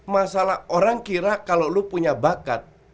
masalah orang kira kalau lo punya bakat